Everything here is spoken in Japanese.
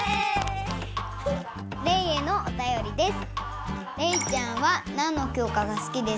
レイへのおたよりです。